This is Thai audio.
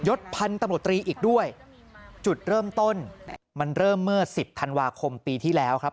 ศพันธุ์ตำรวจตรีอีกด้วยจุดเริ่มต้นมันเริ่มเมื่อสิบธันวาคมปีที่แล้วครับ